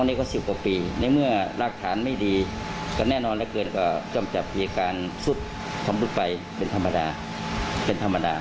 อาจจะมีการเปิดให้ประชาชนที่สถาไปช่าวบูชา